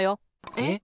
えっ？